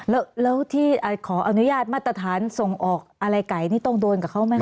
แล้วที่ขออนุญาตมาตรฐานส่งออกอะไรไก่นี่ต้องโดนกับเขาไหมค